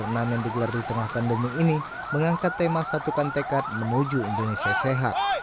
turnamen yang digelar di tengah pandemi ini mengangkat tema satukan tekad menuju indonesia sehat